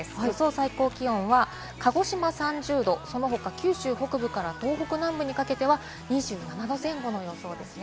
最高気温は鹿児島３０度、その他、九州北部から東北南部にかけては２７度前後の予想ですね。